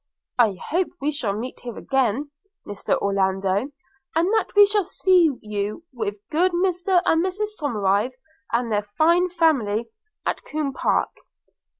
I hope we shall meet here again, Mr Orlando; and that we shall see you, with good Mr and Mrs Somerive, and their fine family, at Combe Park.